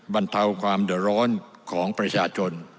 บรรเทาความเดือดร้อนของประชาชน